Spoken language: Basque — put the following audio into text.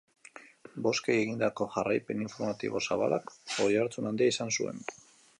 Bozkei egindako jarraipen informatibo zabalak oihartzun handia izan zuen.